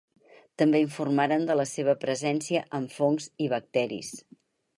També informaren de la seva presència en fongs i bacteris.